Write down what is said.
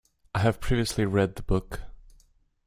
I have previously read the book.